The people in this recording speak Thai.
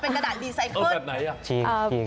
เป็นกระดาษที่ดีใสเงิน